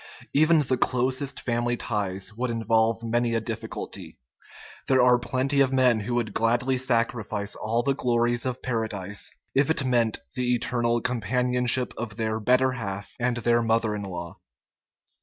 Even the closest family ties would in volve many a difficulty. There are plenty of men who would gladly sacrifice all the glories of Paradise if it meant the eternal companionship of their " better half * and their mother in law.